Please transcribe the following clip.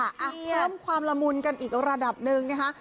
เพิ่มความละมุนกันอีกระดับหนึ่งนะคะ